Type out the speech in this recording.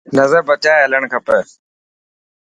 نظر بچائي هلڙڻ کپي.